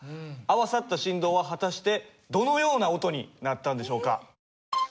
合わさった振動は果たしてどのような音になったんでしょうか？